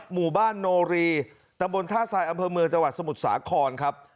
หมู่บ้านโนรีตำบลท่าทรายอำเภอเมืองจังหวัดสมุทรสาครครับ